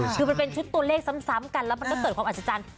คือมันเป็นชุดตัวเลขซ้ำกันแล้วมันก็เกิดความอัศจรรย์